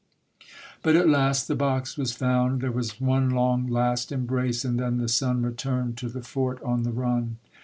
The Mother, 41 But at last the box was found, there was one long, last embrace, and then the son returned to the fort on the run.